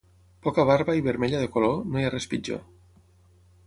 Poca barba i vermella de color, no hi ha res pitjor.